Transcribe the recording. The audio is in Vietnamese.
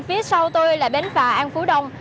phía sau tôi là bến phà an phú đông